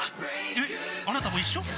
えっあなたも一緒？